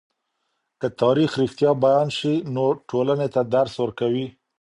که تاریخ رښتیا بيان سي، نو ټولني ته درس ورکوي.